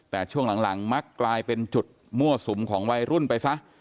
แต่ช่วงหลังมักกลายเป็นจุดมั่วสุมของวัยรุ่นไปซะ